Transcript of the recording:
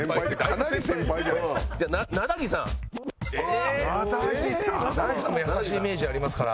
なだぎさんも優しいイメージありますから。